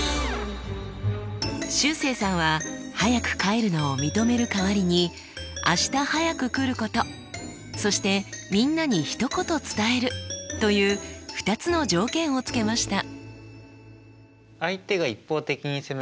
しゅうせいさんは早く帰るのを認める代わりに明日早く来ることそしてみんなに一言伝えるという２つの条件をつけました。